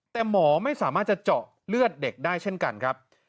แต่หมอไม่สามารถจะเจาะเลือดเด็กได้เช่นกันครับ